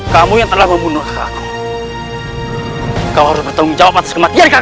kamu yang telah membunuh kamu kau harus bertanggung jawab atas kematian kamu